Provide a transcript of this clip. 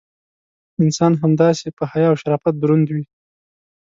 انسان همداسې: په حیا او شرافت دروند وي.